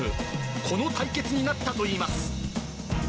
この対決になったといいます。